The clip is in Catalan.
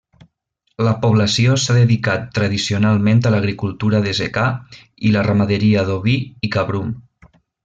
La població s'ha dedicat tradicionalment a l'agricultura de secà i la ramaderia d'oví i cabrum.